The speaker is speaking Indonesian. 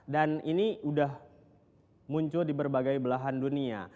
dan ini udah muncul di berbagai belahan dunia